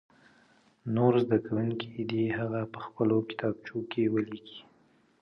نور زده کوونکي دې هغه په خپلو کتابچو کې ولیکي.